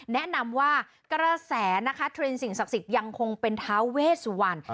แนะนำว่ากระแสนะคะเทรนด์สิ่งศักดิ์สิทธิ์ยังคงเป็นท้าเวสวรรณ